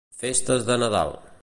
Festes de Nadal.